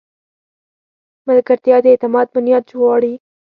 ملګرتیا د اعتماد بنیاد غواړي.